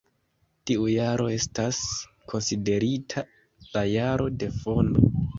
Tiu jaro estas konsiderita la jaro de fondo.